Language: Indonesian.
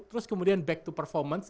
terus kemudian back to performance